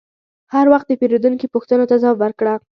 هر وخت د پیرودونکي پوښتنو ته ځواب ورکړه.